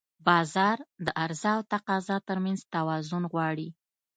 بازار د عرضه او تقاضا ترمنځ توازن غواړي.